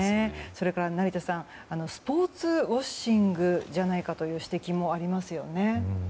それから成田さんスポーツウォッシングじゃないかという指摘もありますよね。